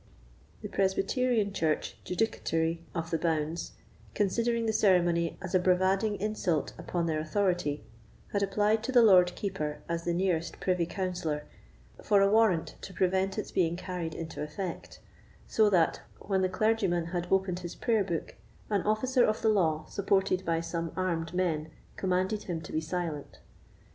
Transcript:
The Presbyterian Church judicatory of the bounds, considering the ceremony as a bravading insult upon their authority, had applied to the Lord Keeper, as the nearest privy councillor, for a warrant to prevent its being carried into effect; so that, when the clergyman had opened his prayer book, an officer of the law, supported by some armed men, commanded him to be silent.